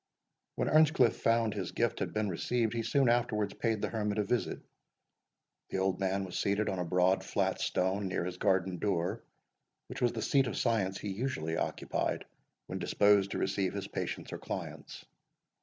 When Earnscliff found his gift had been received, he soon afterwards paid the hermit a visit. The old man was seated an a broad flat stone near his garden door, which was the seat of science he usually occupied when disposed to receive his patients or clients.